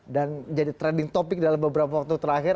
jadi trending topic dalam beberapa waktu terakhir